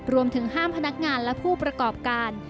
รวมถึงห้ามพนักงานและผู้ประกอบการ